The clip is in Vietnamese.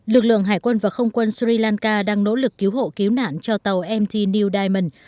lực lượng hải quân và không quân sri lanka đang nỗ lực cứu hộ cứu nạn cho tàu mt new diamond